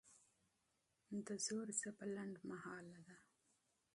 د زور ژبه لنډمهاله ده